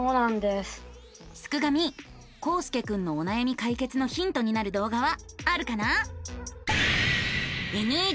すくガミこうすけくんのおなやみ解決のヒントになる動画はあるかな？